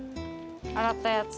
洗ったやつ。